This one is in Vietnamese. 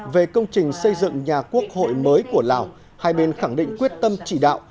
về công trình xây dựng nhà quốc hội mới của lào hai bên khẳng định quyết tâm chỉ đạo